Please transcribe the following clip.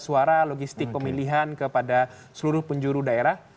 suara logistik pemilihan kepada seluruh penjuru daerah